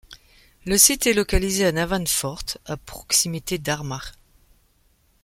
Le site est localisé à Navan Fort, à proximité d’Armagh.